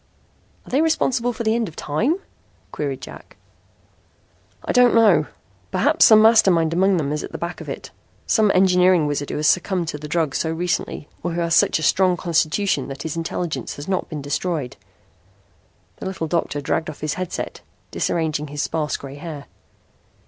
"Are they responsible for the end of time?" queried Jack. "I don't know. Perhaps some master mind among them is back of it some engineering wizard who has succumbed to the drug so recently, or who has such a strong constitution that his intelligence has not been destroyed." The little doctor dragged off his headset, disarranging his sparse gray hair.